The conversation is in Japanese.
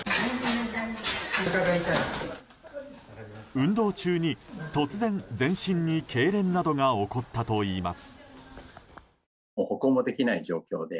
運動中に突然全身に、けいれんなどが起こったといいます。